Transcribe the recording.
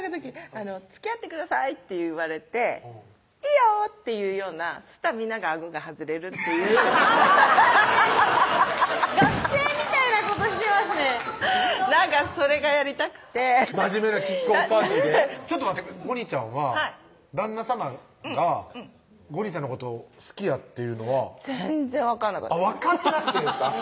「つきあってください」と言われて「いいよ」っていうようなそしたらみんながあごが外れるっていう学生みたいなことしてますねなんかそれがやりたくて真面目なキックオフパーティーでちょっと待ってゴニちゃんは旦那さまがゴニちゃんのことを好きやっていうのは全然分からなかった分かってなくてですか？